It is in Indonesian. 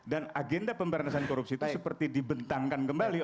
dan agenda pemberanasan korupsi itu seperti dibentangkan kembali